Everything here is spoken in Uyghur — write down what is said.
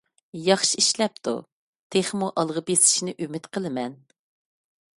ياخشى ئىشلەپتۇ، تېخىمۇ ئالغا بېسىشىنى ئۈمىد قىلىمەن.